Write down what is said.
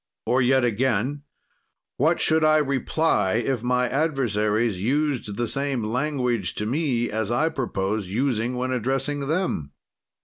Or, yet again: What should I reply if my adversaries used the same language to me as I purpose using when addressing them?